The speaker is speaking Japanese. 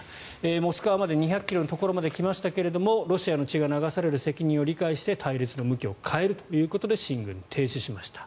モスクワまで２００ｋｍのところまで来ましたがロシアの血が流される責任を理解して隊列の向きを変えるということで進軍停止しました。